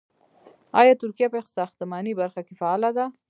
آیا ترکیه په ساختماني برخه کې فعاله ده؟